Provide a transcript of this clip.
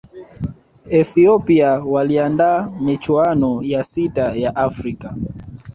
ethiopia waliandaa michuano ya sita ya afrika